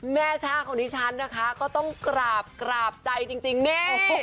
ช่าของดิฉันนะคะก็ต้องกราบกราบใจจริงนี่